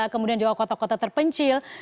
kemudian juga kota kota terpencil